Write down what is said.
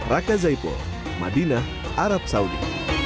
raka zaipul madinah arab saudi